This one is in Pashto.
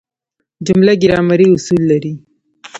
جمله ګرامري اصول لري.